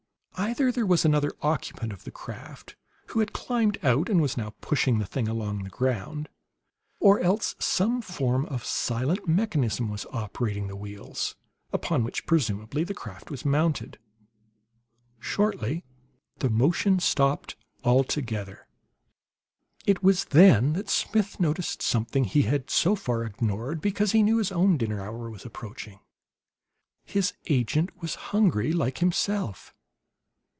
Either there was another occupant of the craft, who had climbed out and was now pushing the thing along the ground, or else some form of silent mechanism was operating the wheels upon which, presumably, the craft was mounted. Shortly the motion stopped altogether. It was then that Smith noticed something he had so far ignored because he knew his own dinner hour was approaching. His agent was hungry, like himself.